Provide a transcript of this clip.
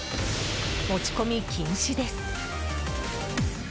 持ち込み禁止です。